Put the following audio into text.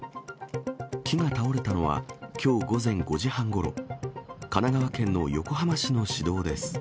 木が倒れたのは、きょう午前５時半ごろ、神奈川県の横浜市の市道です。